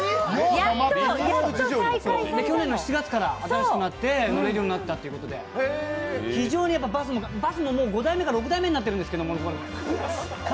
去年の７月から新しくなって乗れるようになったということで非常にバスも、もう５台目か６台目になっているんですけど。